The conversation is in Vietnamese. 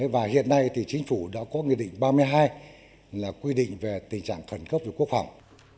chính phủ đã có quy định ba mươi hai là quy định về tình trạng khẩn cấp về quốc phòng